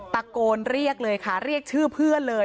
ตะโกนเรียกเลยค่ะเรียกชื่อเพื่อนเลย